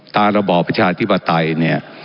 ต้าระบอกประชาธิบปัตตัยเนี่ย